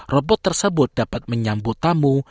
robot tersebut dapat menyambut tamu